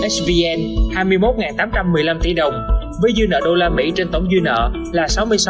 svn hai mươi một tám trăm một mươi năm tỷ đồng với dư nợ usd trên tổng dư nợ là sáu mươi sáu ba